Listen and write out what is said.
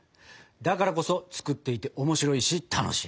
だからこそ作っていて面白いし楽しい。